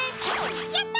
やった！